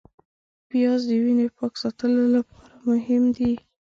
پیاز د وینې پاک ساتلو لپاره مهم دی